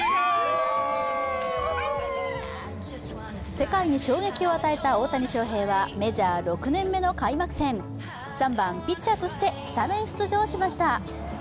世界に衝撃を与えた大谷翔平はメジャー６年目の開幕戦、３番・ピッチャーとしてスタメン出場しました。